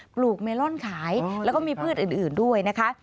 ปลูกเมลอนขายแล้วก็มีพืชอื่นด้วยนะคะ